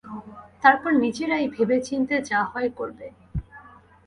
তারপর নিজেরাই ভেবে চিন্তে যা হয় করবে।